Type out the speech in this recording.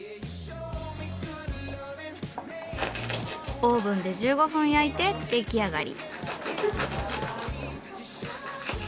オーブンで１５分焼いて出来上がり。